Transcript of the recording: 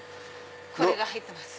これが入ってます。